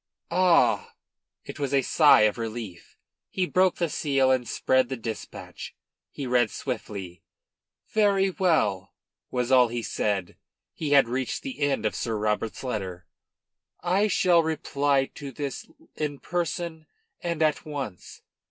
"Ah!!" It was a sigh of relief. He broke the seal and spread the dispatch. He read swiftly. "Very well," was all he said, when he had reached the end of Sir Robert's letter. "I shall reply to this in person and at, once.